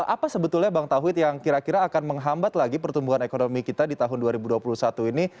apa sebetulnya bang tauhid yang kira kira akan menghambat lagi pertumbuhan ekonomi kita di tahun dua ribu dua puluh satu ini